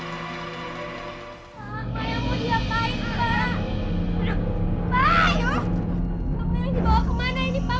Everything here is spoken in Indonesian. pemil yang dibawa kemana ini pak